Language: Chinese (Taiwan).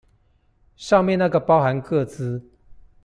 上面那個包含個資